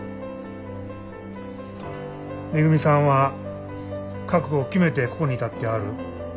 めぐみさんは覚悟を決めてここに立ってはる。